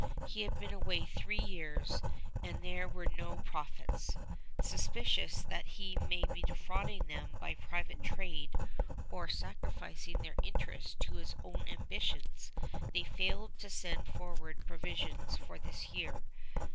He had been away three years, and there were no profits. Suspicious that he might be defrauding them by private trade or sacrificing their interests to his own ambitions, they failed to send forward provisions for this year.